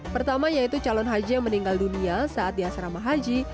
pertama yaitu calon haji yang meninggal dunia saat dia seramah haji